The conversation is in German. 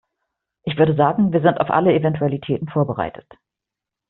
Ich würde sagen, wir sind auf alle Eventualitäten vorbereitet.